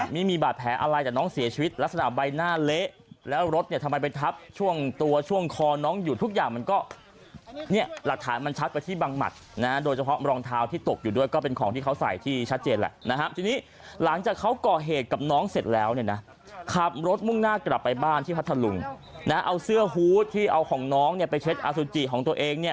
ไม่มีบาดแผลอะไรแต่น้องเสียชีวิตลักษณะใบหน้าเละแล้วรถเนี่ยทำไมไปทับช่วงตัวช่วงคอน้องอยู่ทุกอย่างมันก็เนี่ยหลักฐานมันชัดไปที่บังหมัดนะโดยเฉพาะรองเท้าที่ตกอยู่ด้วยก็เป็นของที่เขาใส่ที่ชัดเจนแหละนะฮะทีนี้หลังจากเขาก่อเหตุกับน้องเสร็จแล้วเนี่ยนะขับรถมุ่งหน้ากลับไปบ้านที่พัทธลุงนะเอาเสื้อฮูตที่เอาของน้องเนี่ยไปเช็ดอสุจิของตัวเองเนี่ย